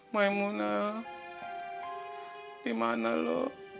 maimunah dimana lu